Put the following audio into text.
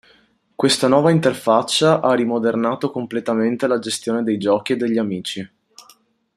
Questa nuova interfaccia ha rimodernato completamente la gestione dei giochi e degli amici.